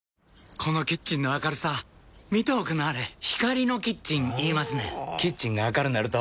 このキッチンの明るさ見ておくんなはれ光のキッチン言いますねんほぉキッチンが明るなると・・・